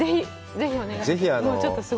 ぜひお願いします。